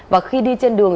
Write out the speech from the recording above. và khi đi trên đường